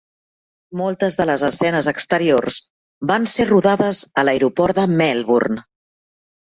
Moltes de les escenes exteriors van ser rodades a l'aeroport de Melbourne.